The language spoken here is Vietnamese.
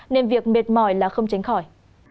nên việc mệt mỏi là không tránh khỏi